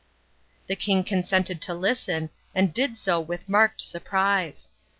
The king consented to listen, and did so with marked surprise.